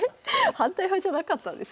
反対派じゃなかったんですか？